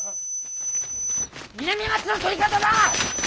・・南町の捕り方だ！